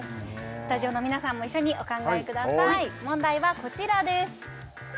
スタジオの皆さんも一緒にお考えください問題はこちらです